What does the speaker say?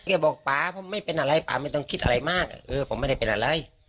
บอกป๊าผมไม่เป็นอะไรป่าไม่ต้องคิดอะไรมากเออผมไม่ได้เป็นอะไร